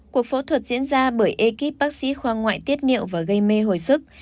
cuộc phẫu thuật diễn ra bởi ekip bác sĩ khoa ngoại tiết niệu và gây mê hồi sức